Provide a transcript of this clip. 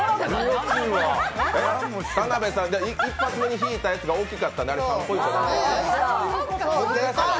田辺さん、一発目に引いたやつが大きかった。